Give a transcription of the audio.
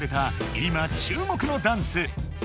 今注目のダンス。